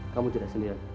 kamu sudah sendirian